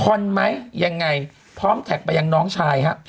อนไหมยังไงพร้อมแท็กไปยังน้องชายฮะ